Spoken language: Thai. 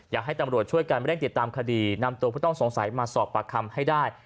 อยากให้ตำรวจช่วยกันเร่งติดตามคดีนำตัวผู้ต้องสงสัยมาสอบปากคำให้ได้